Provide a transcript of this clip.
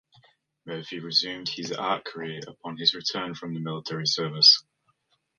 Murphy resumed his art career upon his return from military service.